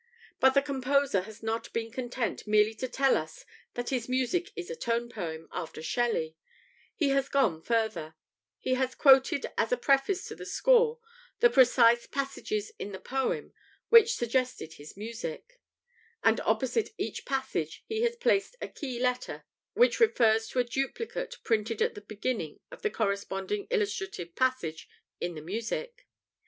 But the composer has not been content merely to tell us that his music is a tone poem "after Shelley"; he has gone further: he has quoted as a preface to the score the precise passages in the poem which suggested his music; and opposite each passage he has placed a key letter, which refers to a duplicate printed at the beginning of the corresponding illustrative passage in the music.